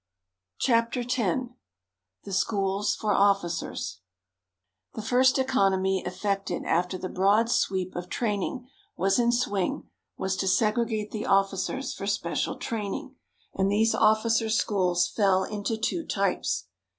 CHAPTER X THE SCHOOLS FOR OFFICERS The first economy effected after the broad sweep of training was in swing was to segregate the officers for special training, and these officers' schools fell into two types.